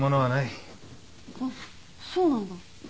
あっそうなんだ。